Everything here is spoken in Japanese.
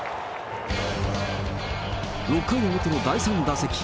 ６回表の第３打席。